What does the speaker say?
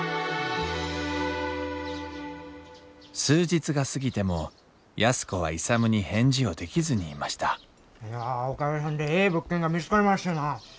数日が過ぎても安子は勇に返事をできずにいましたいやおかげさんでええ物件が見つかりましてな。